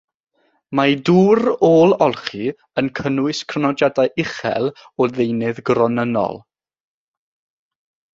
Mae dŵr ôl-olchi yn cynnwys crynodiadau uchel o ddeunydd gronynnol.